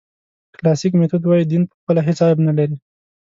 کلاسیک میتود وایي دین پخپله هېڅ عیب نه لري.